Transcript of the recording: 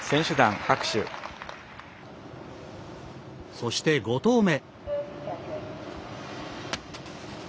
そして５投目。